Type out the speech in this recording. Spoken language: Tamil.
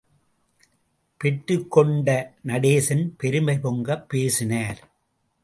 பெற்றுக்கொண்ட நடேசன் பெருமை பொங்கப் பேசினார்.